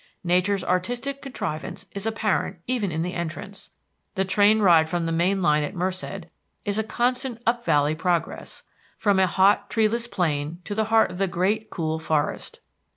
Nature's artistic contrivance is apparent even in the entrance. The train ride from the main line at Merced is a constant up valley progress, from a hot, treeless plain to the heart of the great, cool forest.